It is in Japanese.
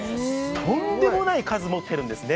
とんでもない数持ってるんですね。